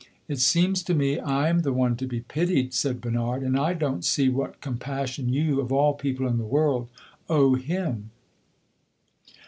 "It seems to me I am the one to be pitied," said Bernard; "and I don't see what compassion you, of all people in the world, owe him."